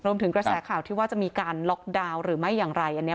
กระแสข่าวที่ว่าจะมีการล็อกดาวน์หรือไม่อย่างไรอันนี้